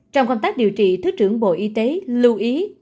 trong công tác điều trị thứ trưởng bộ y tế lưu ý